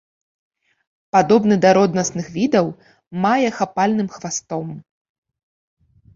Падобны да роднасных відаў, мае хапальным хвастом.